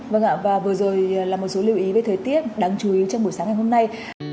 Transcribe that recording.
vâng ạ và vừa rồi là một số lưu ý về thời tiết đáng chú ý trong buổi sáng ngày hôm nay